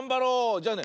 じゃあね